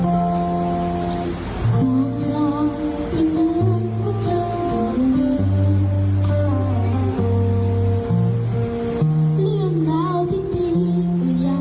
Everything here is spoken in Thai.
กันก็อยากจะส่งกำลังใจจากผ่านเสียงเพลงให้พ่อกันนะครับ